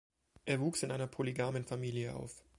Er wuchs in einer polygamen Familie auf.